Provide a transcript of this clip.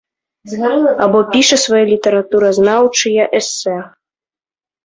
Або піша свае літаратуразнаўчыя эсэ.